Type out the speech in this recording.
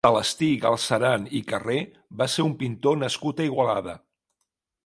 Celestí Galceran i Carrer va ser un pintor nascut a Igualada.